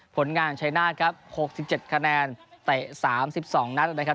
ผลงานชัยนาธครับ๖๗คะแนนเตะ๓๒นัดนะครับ